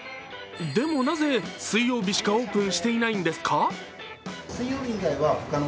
でもなぜ、水曜日しかオープンしていないんですか？